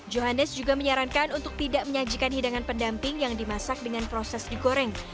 johannes juga menyarankan untuk tidak menyajikan hidangan pendamping yang dimasak dengan proses digoreng